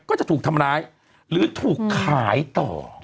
ก็จะถูกทำร้ายหรือถูกขายต่อ